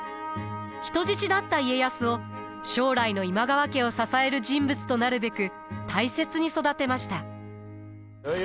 人質だった家康を将来の今川家を支える人物となるべく大切に育てました。